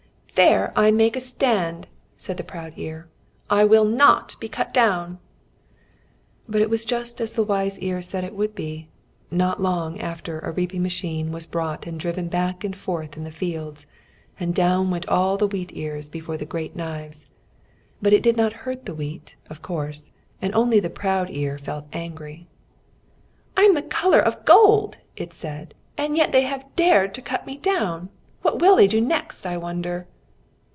"There I make a stand," said the proud ear, "I will not be cut down." But it was just as the wise ear said it would be. Not long after a reaping machine was brought and driven back and forth in the fields, and down went all the wheat ears before the great knives. But it did not hurt the wheat, of course, and only the proud ear felt angry. "I am the colour of gold," it said, "and yet they have dared to cut me down. What will they do next, I wonder?"